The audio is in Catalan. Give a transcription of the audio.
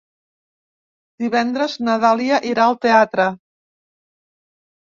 Divendres na Dàlia irà al teatre.